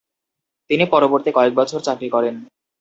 তিনি পরবর্তী কয়েক বছর চাকরি করেন।